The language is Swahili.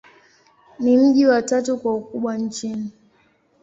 Ni mji wa tatu kwa ukubwa nchini.